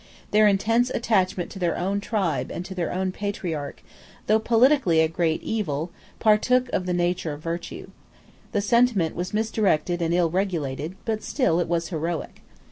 Their intense attachment to their own tribe and to their own patriarch, though politically a great evil, partook of the nature of virtue. The sentiment was misdirected and ill regulated; but still it was heroic.